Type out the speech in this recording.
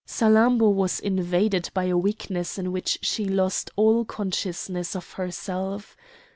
Salammbô was invaded by a weakness in which she lost all consciousness of herself.